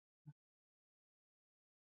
اوبزین معدنونه د افغانانو د ګټورتیا برخه ده.